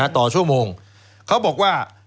ต่อชั่วโมงเขาบอกว่า